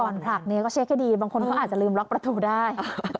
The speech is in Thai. ผลักเนี่ยก็เช็คให้ดีบางคนเขาอาจจะลืมล็อกประตูได้